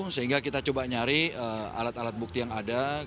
sehingga kita coba nyari alat alat bukti yang ada